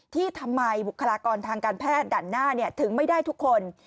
ที่ทำไมบุคลากรทางการแพทย์ด่านหน้าถึงไม่ได้ทุกคน